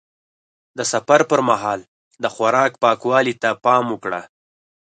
د سفر پر مهال د خوراک پاکوالي ته پام وکړه.